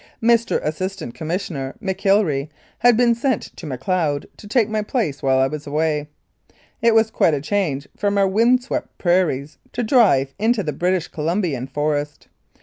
Mr. Assistant Commis sioner Mclllree had been sent to Macleod to take my place while J was away. It was quite a change from our windswept prairies to drive into the British Colum bian forest.